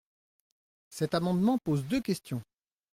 Cet amendement pose deux questions.